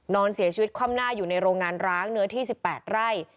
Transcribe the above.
นอนเสียชีวิตคว่ำหน้าอยู่ในโรงงานร้างเนื้อที่๑๘ไร่